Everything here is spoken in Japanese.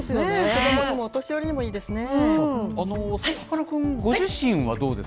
子どもにもお年寄りにもいいですね。